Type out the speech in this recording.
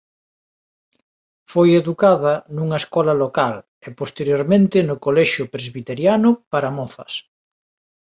Foi educada nunha escola local e posteriormente no Colexio Presbiteriano para Mozas.